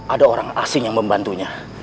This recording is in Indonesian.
ada orang asing yang membantunya